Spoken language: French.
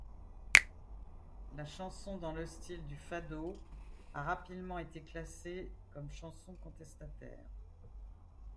La chanson dans le style du Fado a rapidement été classée comme chanson contestataire.